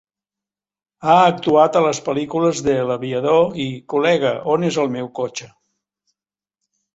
Ha actuat a les pel·lícules de "L'aviador" i "Col·lega, on és el meu cotxe?".